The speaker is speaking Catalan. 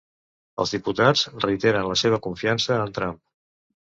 Els diputats reiteren la seva confiança en Trump